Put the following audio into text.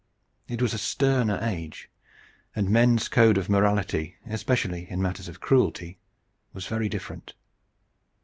It was a sterner age, and men's code of morality, especially in matters of cruelty, was very different.